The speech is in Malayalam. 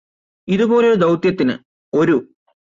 ഇതുപോലൊരു ദൌത്യത്തിന്ന് ഒരു